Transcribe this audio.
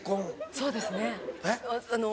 そうですね。えっ？